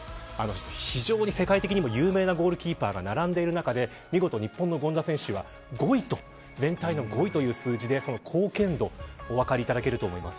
非常に世界的にも有名なゴールキーパーが並んでいる中で見事、日本の権田選手は全体の５位という数字で貢献度お分かりいただけると思います。